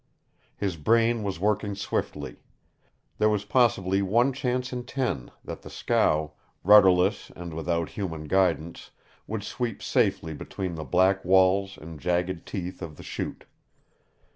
His brain was working swiftly. There was possibly one chance in ten that the scow rudderless and without human guidance would sweep safely between the black walls and jagged teeth of the Chute.